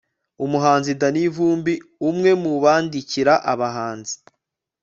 umuhanzi danny vumbi umwe mu bandikira abahanzi